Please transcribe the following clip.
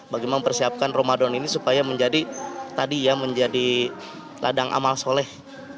bagaimana mempersiapkan ramadan ini supaya menjadi tadi ya menjadi ladang amal soleh